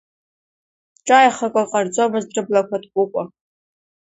Ҿааихакык ҟарҵомызт, рыблақәа ҭкәыкәа…